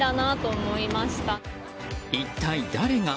一体誰が？